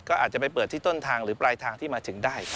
ก็อาจจะไปเปิดที่ต้นทางหรือปลายทางที่มาถึงได้